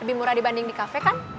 lebih murah dibanding di kafe kan